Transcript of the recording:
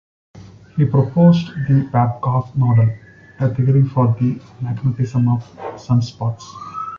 He proposed the Babcock Model, a theory for the magnetism of sunspots.